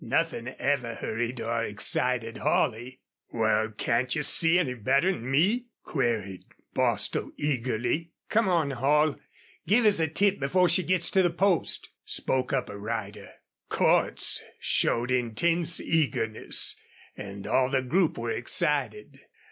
Nothing ever hurried or excited Holley. "Wal, can't you see any better 'n me?" queried Bostil, eagerly. "Come on, Holl, give us a tip before she gits to the post," spoke up a rider. Cordts showed intense eagerness, and all the group were excited.